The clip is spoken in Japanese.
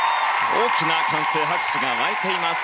大きな歓声拍手が湧いています。